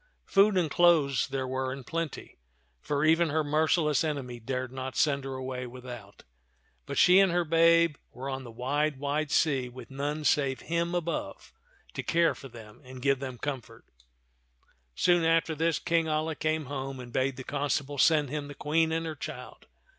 Food and clothes there were in plenty, for even her merciless enemy dared not send her away without ; but she and her babe were on the wide, wide sea with none save Him above to care for them and give them comfort. Soon after this. King Alia came home and bade the constable send him the Queen and her child.